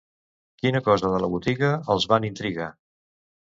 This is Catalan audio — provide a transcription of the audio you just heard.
Quina cosa de la botiga els van intrigar?